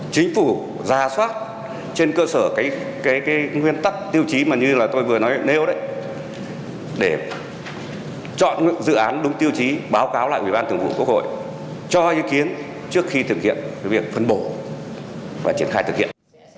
chính phủ ra soát trên cơ sở cái nguyên tắc tiêu chí mà như là tôi vừa nói nếu đấy để chọn dự án đúng tiêu chí báo cáo lại ủy ban thường vụ quốc hội cho ý kiến trước khi thực hiện việc phân bổ và triển khai thực hiện